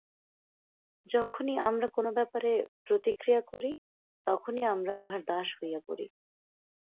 যখনই আমরা কোন ব্যাপারে প্রতিক্রিয়া করি, তখনই আমরা উহার দাস হইয়া পড়ি।